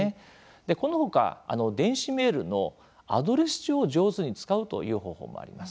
この他、電子メールのアドレス帳を上手に使うという方法もあります。